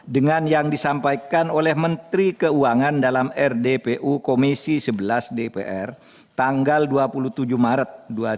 dengan yang disampaikan oleh menteri keuangan dalam rdpu komisi sebelas dpr tanggal dua puluh tujuh maret dua ribu dua puluh